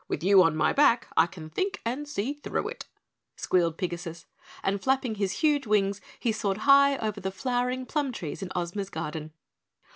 With you on my back, I can think and see through it!" squealed Pigasus, and flapping his huge wings he soared high over the flowering plum trees in Ozma's garden.